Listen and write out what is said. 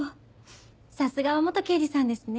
さすがは刑事さんですね